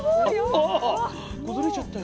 あ崩れちゃったよ。